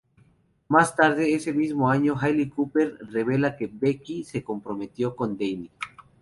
Más tarde ese mismo año Hayley Cropper revela que Becky se comprometió con Danny.